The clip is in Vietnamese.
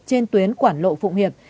trên tuyến quảng lộ phụng hiệp